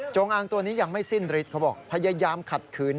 อางตัวนี้ยังไม่สิ้นฤทธิเขาบอกพยายามขัดขืน